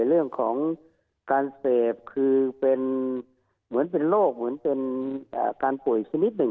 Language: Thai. เรื่องของการเสพคือเป็นเหมือนเป็นโรคเหมือนเป็นการป่วยชนิดหนึ่ง